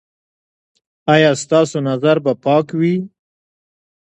ایا ستاسو نظر به پاک وي؟